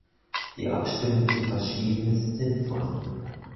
Die Abstimmung zu verschieben, ist sinnvoll.